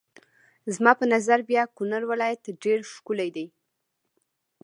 زما په نظر بیا کونړ ولایت ډېر ښکلی دی.